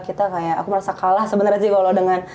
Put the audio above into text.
kita kayak aku merasa kalah sebenarnya sih kalau dengan